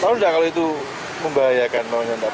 kalau udah kalau itu membahayakan